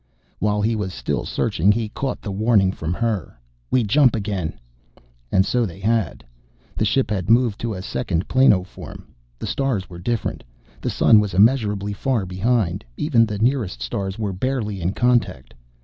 While he was still searching, he caught the warning from her. We jump again! And so they had. The ship had moved to a second planoform. The stars were different. The Sun was immeasurably far behind. Even the nearest stars were barely in contact.